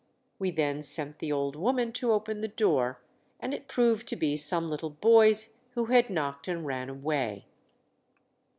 We then sent the old woman to open the door, and it proved to be some little boys who had knocked and ran away."